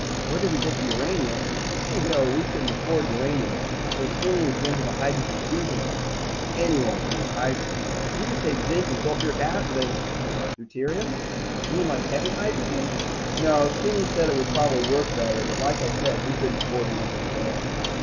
Where did we get what uranium? Gee, no, we couldn't afford uranium, so Skinny invented a hydrogen fusion plant. Anyone can make hydrogen. You just take zinc and sulfuric acid and ... Deuterium? You mean like heavy hydrogen? No, Skinny said it would probably work better, but like I said, we couldn't afford anything fancy.